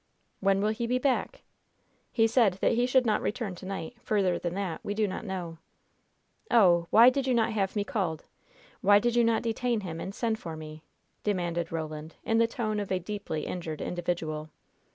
"When will he be back?" "He said that he should not return to night; further than that we do not know." "Oh, why did you not have me called? Why did you not detain him and send for me?" demanded Roland, in the tone of a deeply injured individual.